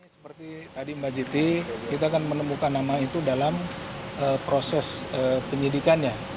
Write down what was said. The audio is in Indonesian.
seperti tadi mbak jiti kita akan menemukan nama itu dalam proses penyidikannya